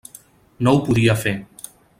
No ho podia fer.